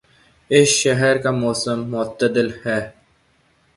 اس شہر کا موسم معتدل ہے